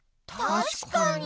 たしかに。